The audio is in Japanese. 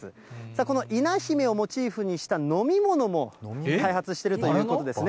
このイナ姫をモチーフにした飲み物も開発しているということですね。